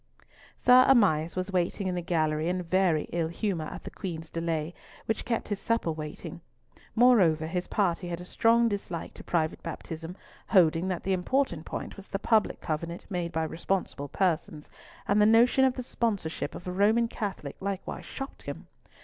Sir Amias was waiting in the gallery in very ill humour at the Queen's delay, which kept his supper waiting. Moreover, his party had a strong dislike to private baptism, holding that the important point was the public covenant made by responsible persons, and the notion of the sponsorship of a Roman Catholic likewise shocked him.